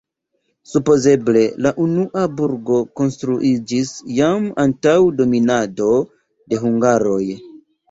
Supozeble la unua burgo konstruiĝis jam antaŭ dominado de hungaroj.